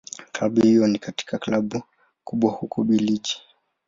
Klabu hiyo ni katika Klabu kubwa huko Ubelgiji.